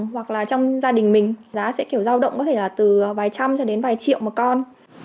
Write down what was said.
hoặc là trong gia đình mình giá sẽ kiểu giao động có thể là từ vài trăm cho đến vài triệu một con